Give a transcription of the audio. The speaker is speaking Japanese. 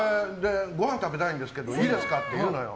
ごはん食べたいんですけどいいですかって言うのよ。